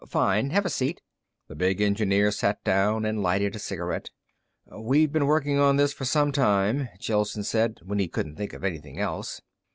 "Fine. Have a seat." The big engineer sat down and lighted a cigarette. "We've been working on this for some time," Gelsen said, when he couldn't think of anything else.